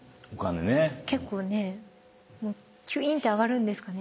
結構ねきゅいーんって上がるんですかね？